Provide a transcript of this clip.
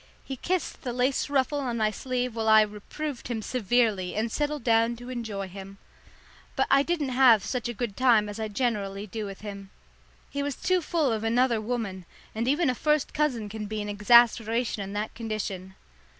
He kissed the lace ruffle on my sleeve while I reproved him severely and settled down to enjoy him. But I didn't have such a good time as I generally do with him. He was too full of another woman, and even a first cousin can be an exasperation in that condition.